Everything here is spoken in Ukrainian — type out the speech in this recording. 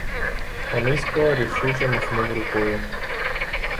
Онисько рішуче махнув рукою.